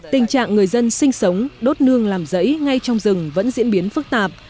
tình trạng người dân sinh sống đốt nương làm rẫy ngay trong rừng vẫn diễn biến phức tạp